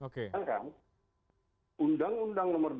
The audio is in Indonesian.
sedangkan undang undang nomor dua tahun dua ribu dua puluh